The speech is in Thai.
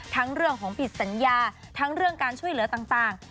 เรื่องของผิดสัญญาทั้งเรื่องการช่วยเหลือต่าง